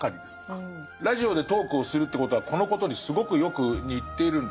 ラジオでトークをするってことはこのことにすごくよく似てるんです。